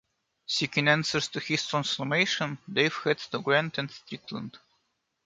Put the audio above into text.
Seeking answers to his transformation, Dave heads to Grant and Strictland.